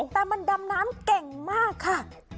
แต่มันดำน้ำเก่งมากค่ะ